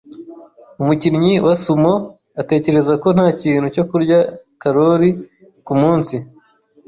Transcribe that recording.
Umukinnyi wa sumo atekereza ko ntakintu cyo kurya karori . kumunsi.